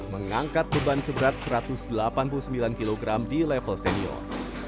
mengangkat beban seberat satu ratus delapan puluh sembilan kg di level senior